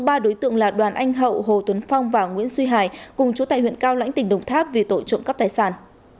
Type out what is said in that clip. ba đối tượng là đoàn anh hậu hồ tuấn phong và nguyễn duy hải cùng chú tại huyện cao lãnh tỉnh đồng tháp về tội trộm cắp tài sản